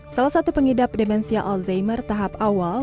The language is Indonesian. salah satu pengidap demensia alzheimer tahap awal